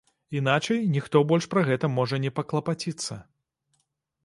Іначай ніхто больш пра гэта можа не паклапаціцца.